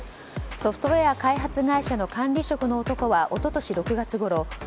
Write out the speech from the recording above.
ソフトウェア開発会社の管理職の男は一昨年６月ごろ